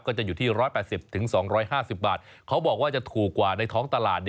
ก็จะอยู่ที่๑๘๐๒๕๐บาทเขาบอกว่าจะถูกกว่าในท้องตลาด